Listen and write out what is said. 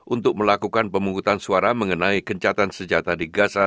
untuk melakukan pemungutan suara mengenai kencatan senjata di gaza